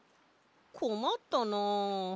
こまったなあ。